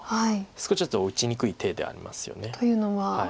少しちょっと打ちにくい手ではありますよね。というのは。